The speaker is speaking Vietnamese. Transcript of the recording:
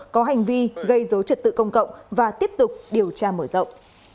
có hành vi gây dối trật tự công cộng và tiếp tục điều tra mở rộng